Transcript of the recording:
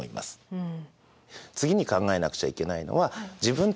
うん！